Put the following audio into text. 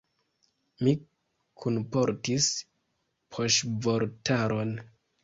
Mi kunportis poŝvortaron.